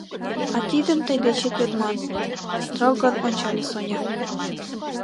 — А тидым тый дечет йодман, — строгын ончале Соня.